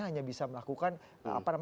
hanya bisa melakukan